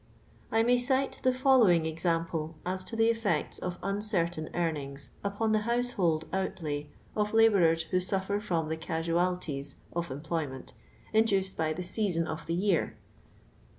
I may cite the following exa.nple as to th* eticcts of uncertain earnings upon the liousc hold outlay of labourers who suffer from the casualties of employment inJ.tioed by the season of th«» year.